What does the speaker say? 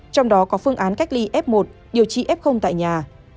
trong đó có phương án cách ly f một điều trị f tại nhà